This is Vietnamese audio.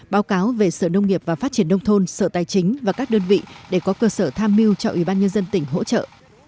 báo cáo về sở nông nghiệp và phát triển nông thôn sở tài chính và các đơn vị để có cơ sở tham mưu cho ủy ban nhân dân tỉnh hỗ trợ